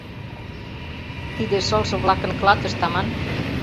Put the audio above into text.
Тиде — шылше-влакын клатышт аман...